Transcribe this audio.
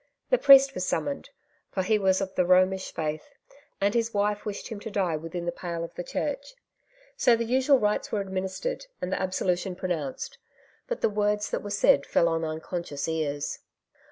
The priest was summoned — for he was of the Eomish faith, and his wife wished him to die within the pale of the church ; so the usual rites were adminis* tered, and the absolution pronounced; but the Words that were said fell on unconscious ears.